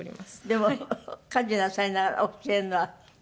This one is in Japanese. でも家事なさりながら教えるのは大変ですね。